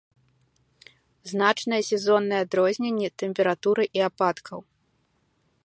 Значныя сезонныя адрозненні тэмпературы і ападкаў.